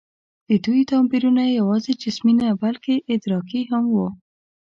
د دوی توپیرونه یواځې جسمي نه، بلکې ادراکي هم وو.